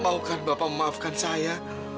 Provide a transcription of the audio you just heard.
maukan bapak memaafkan saya